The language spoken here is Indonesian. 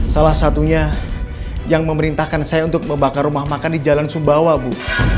salah satunya yang memerintahkan saya untuk membakar rumah makan di jalan sumbawa bu